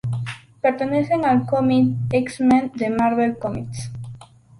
Pertenecen al cómic X-Men de Marvel Comics.